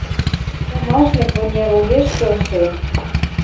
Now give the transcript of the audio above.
Кумажньык вынер огеш келше!